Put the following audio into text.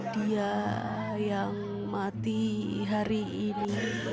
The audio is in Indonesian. dia yang mati hari ini